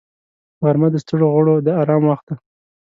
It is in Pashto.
غرمه د ستړو غړو د آرام وخت دی